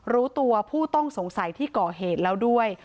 รู้ตัวผู้ต้องสงสัยที่ก่อเหตุแล้วด้วย